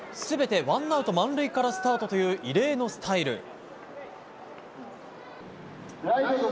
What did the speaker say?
全てワンアウト満塁からスタートという異例のスタイル。